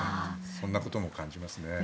そんなことも感じますね。